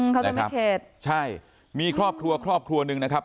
เขาจะมีเขตใช่มีครอบครัวครอบครัวหนึ่งนะครับ